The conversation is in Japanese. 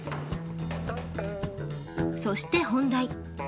そして本題。